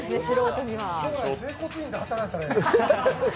将来、整骨院で働いたらええ。